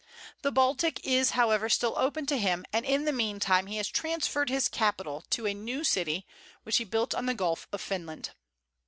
The Baltic is however still open to him; and in the mean time he has transferred his capital to a new city, which he built on the Gulf of Finland.